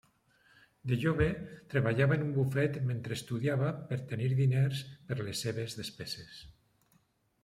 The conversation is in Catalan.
De jove treballava en un bufet mentre estudiava per tenir diners per les seves despeses.